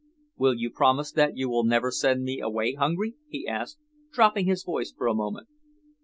"Will you promise that you will never send me away hungry?" he asked, dropping his voice for a moment.